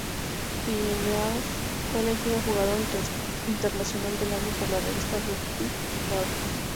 Pienaar fue elegido jugador internacional del año por la revista "Rugby World".